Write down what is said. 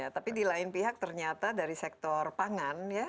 tapi di lain pihak ternyata dari sektor pangan ya